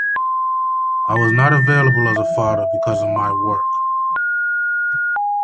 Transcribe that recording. I was not available as a father because of my work.